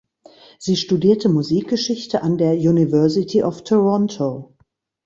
Sie studierte Musikgeschichte an der University of Toronto.